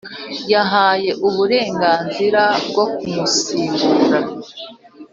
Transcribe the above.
Yahaye uburenganzira bwo kumusimbura